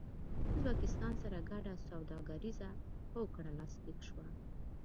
ازبکستان سره ګډه سوداګريزه هوکړه لاسلیک شوه